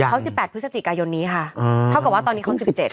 เขา๑๘พฤศจิกายนนี้ค่ะเท่ากับว่าตอนนี้เขา๑๗